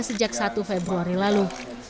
sejak satu februari lalu